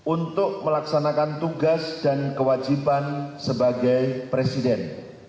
untuk melaksanakan tugas dan kewajiban sebagai presiden